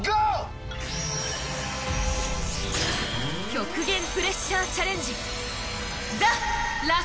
極限プレッシャーチャレンジ